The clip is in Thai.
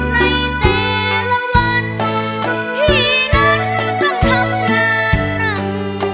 ในแต่ละวันพี่นั้นต้องทำงานหนัก